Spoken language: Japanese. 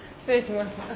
失礼します。